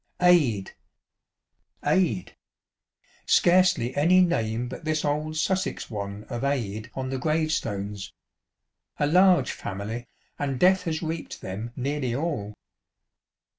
"Ade, Ade" ŌĆö scarcely any name but this old Sussex one of Ade on the gravestones. A large family, and death has reaped them nearly all.